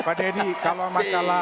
pak deddy kalau masalah